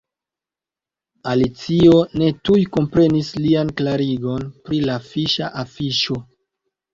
Alicio ne tuj komprenis lian klarigon pri la fiŝa afiŝo.